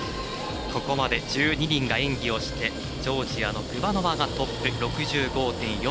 ここまで１２人が演技をしてジョージアのグバノワがトップ、６５．４０。